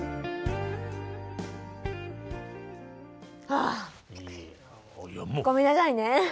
あごめんなさいね。